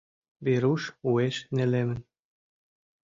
Веруш уэш нелемын.